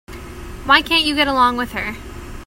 Why can't you get along with her?